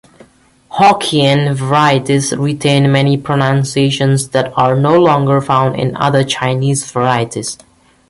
Hokkien varieties retain many pronunciations that are no longer found in other Chinese varieties.